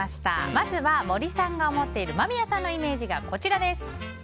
まずは森さんが思っている間宮さんのイメージがこちらです。